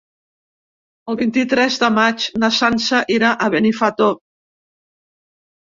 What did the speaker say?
El vint-i-tres de maig na Sança irà a Benifato.